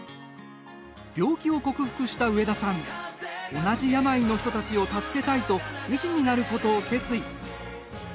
病気を克服した上田さん同じ病の人たちを助けたいと医師になることを決意。